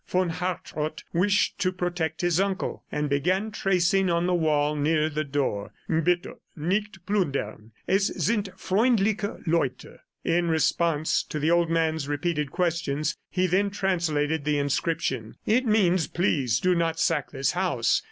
Von Hartrott wished to protect his uncle and began tracing on the wall near the door: "Bitte, nicht plundern. Es sind freundliche Leute." In response to the old man's repeated questions, he then translated the inscription. "It means, 'Please do not sack this house.